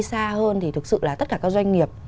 xa hơn thì thực sự là tất cả các doanh nghiệp